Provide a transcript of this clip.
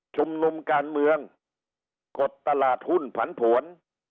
ชุมนุมการเมืองกดตลาดหุ้นผันผวน